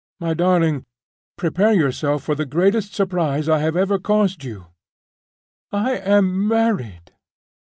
"My darling, prepare yourself for the greatest surprise I have ever caused you. I am married.